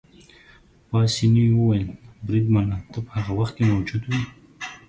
پاسیني وویل: بریدمنه، ته په هغه وخت کې موجود وې؟